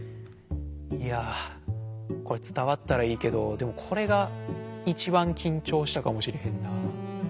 いやこれつたわったらいいけどでもこれがいちばんきんちょうしたかもしれへんな。